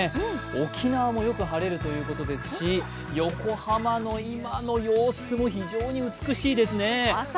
沖縄もよく晴れるということですし、横浜の今の様子も非常に美しいですね。